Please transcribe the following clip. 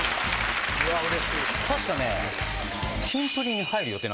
確かね。